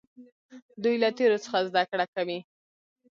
دوی له تیرو څخه زده کړه کوي.